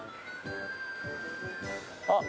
あっ！